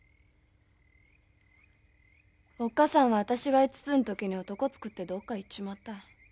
おっ母さんは私が５つの時に男つくってどっか行っちまった。